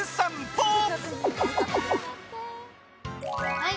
はい！